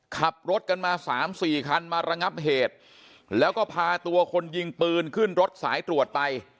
ขับรถกันมาสามสี่คันมาระงับเหตุแล้วก็พาตัวคนยิงปืนขึ้นรถสายตรวจไป